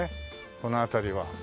この辺りは。